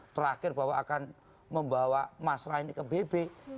terakhir bahwa akan membawa mas rai ini ke bb